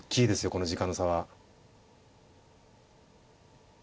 この時間の差は。